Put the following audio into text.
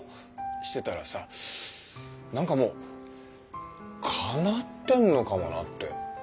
してたらさなんかもうかなってんのかもなって。